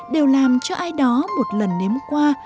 đều làm cho ai đó một lần nếm qua